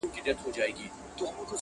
څوک چي نه لري دا دواړه بختور دی٫